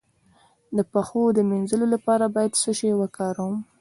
د پښو د مینځلو لپاره باید څه شی وکاروم؟